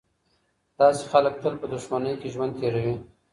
داسې خلګ تل په دښمنۍ کي ژوند تېروي.